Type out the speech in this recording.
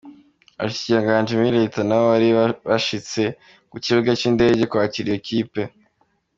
Abashikiranganji muri leta nabo bari bashitse ku kibuga c'indege kwakira iyo kipe.